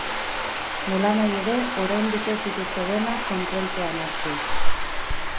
Nolanahi ere, oraindik ez dituzte denak kontrolpean hartu.